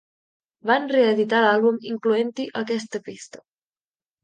Van reeditar l'àlbum incloent-hi aquesta pista.